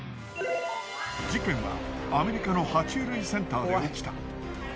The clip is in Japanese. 事件はアメリカのは虫類センターで起きた。